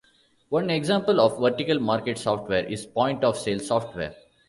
One example of vertical market software is point-of-sale software.